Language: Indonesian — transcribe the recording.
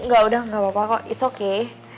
gak udah gak apa apa kok it's okay